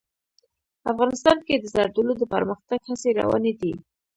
افغانستان کې د زردالو د پرمختګ هڅې روانې دي.